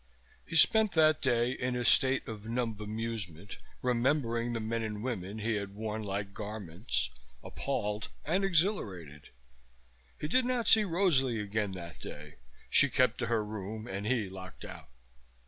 He spent that day in a state of numb bemusement, remembering the men and women he had worn like garments, appalled and exhilarated. He did not see Rosalie again that day, she kept to her room and he locked out.